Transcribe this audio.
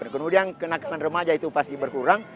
kemudian kenakan remaja itu pasti berkurang